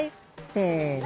せの。